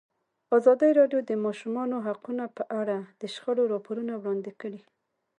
ازادي راډیو د د ماشومانو حقونه په اړه د شخړو راپورونه وړاندې کړي.